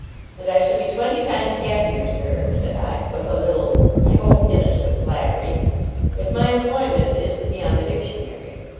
'And I shall be twenty times happier, sir,' said I, with a little I hope innocent flattery, 'if my employment is to be on the Dictionary.